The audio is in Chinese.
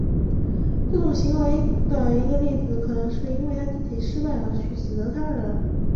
这种行为的一个例子可能是因为自己失败而去指责他人。